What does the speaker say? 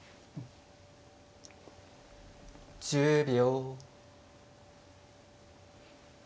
１０秒。